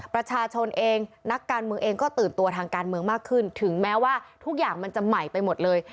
ประชาชนเองนักการเมืองเองก็ตื่นตัวทางการเมืองมากขึ้นถึงแม้ว่าทุกอย่างมันจะใหม่ไปหมดเลย